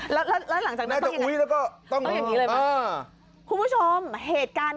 แล้วหลังจากนั้นต้องยังไงต้องอย่างนี้เลยป่ะน่าจะอุ๊ยแล้วก็